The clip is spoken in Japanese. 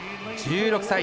１６歳。